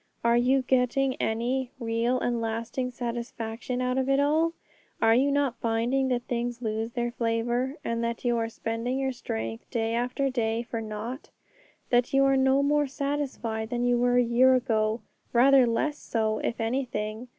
Are you getting any real and lasting satisfaction out of it all? Are you not finding that things lose their flavour, and that you are spending your strength day after day for nought? that you are no more satisfied than you were a year ago rather less so, if anything?